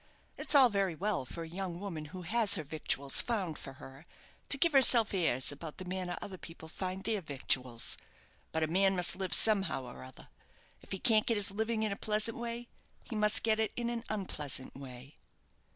It's all very well for a young woman who has her victuals found for her to give herself airs about the manner other people find their victuals; but a man must live somehow or other. If he can't get his living in a pleasant way, he must get it in an unpleasant way."